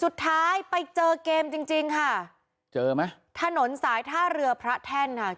สุดท้ายไปเจอเกมจริงจริงค่ะเจอไหมถนนสายท่าเรือพระแท่นค่ะ